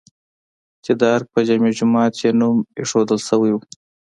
چې د ارګ په جامع جومات یې نوم ايښودل شوی و؟